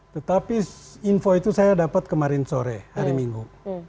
tetapi info itu saya dapat kemarin sore hari minggu